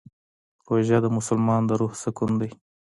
روژه د مسلمان د روح سکون دی.